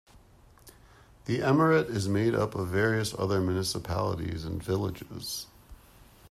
The emirate is made up of various other municipalities and villages.